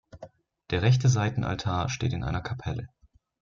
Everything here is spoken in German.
Der rechte Seitenaltar steht in einer Kapelle.